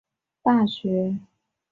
高等教育则有和摄南大学两所大学。